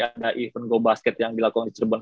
ada event go basket yang dilakukan di cirebon